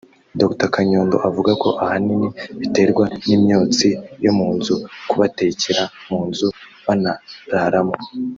Dr Kayondo avuga ko ahanini biterwa n’imyotsi yo mu nzu kubatekera mu nzu banararamo